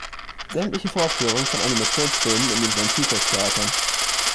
Sämtliche Vorführungen von Animationsfilmen in den Santikos-Theatern.